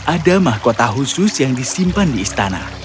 ada mahkota khusus yang disimpan di istana